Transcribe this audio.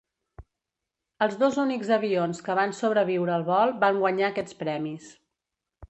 Els dos únics avions que van sobreviure al vol van guanyar aquests premis.